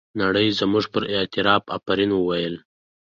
نړۍ زموږ پر اعتراف افرین وویل.